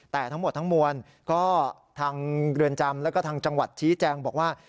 แต่ทั้งหมดทั้งมวลก็ทางเรือนจำแล้วก็ทางจังหวัดชี้แจงบอกว่า